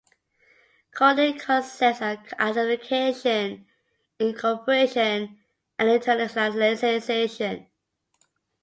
Cognate concepts are identification, incorporation, and internalization.